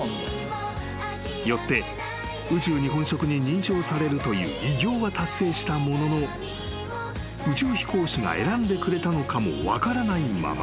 ［よって宇宙日本食に認証されるという偉業は達成したものの宇宙飛行士が選んでくれたのかも分からないまま］